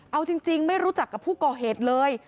เอาจริงไม่รู้จักกับผู้ก่อเหตุเลย